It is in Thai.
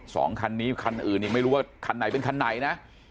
สองคันนี้คันอื่นยังไม่รู้ว่าคันไหนเป็นคันไหนนะ